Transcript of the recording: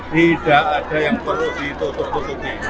tidak ada yang perlu ditutup tutupi